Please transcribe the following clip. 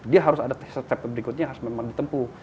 dia harus ada step step berikutnya harus memang ditempu